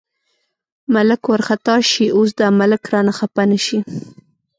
ملک وارخطا شي، اوس دا ملک رانه خپه نه شي.